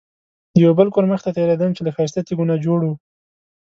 د یو بل کور مخې ته تېرېدم چې له ښایسته تیږو نه جوړ و.